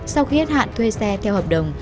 sau khi hết hạn thuê xe theo hợp đồng